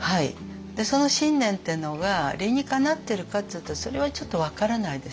でその信念っていうのが理にかなってるかっていうとそれはちょっと分からないです。